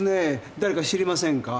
だれか知りませんか？